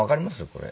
これ。